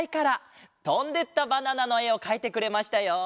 「とんでったバナナ」のえをかいてくれましたよ！